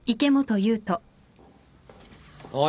・おい